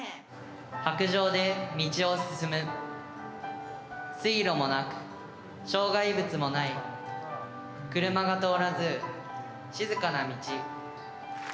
白じょうで道を進む水路もなく障害物もない車が通らず静かな道。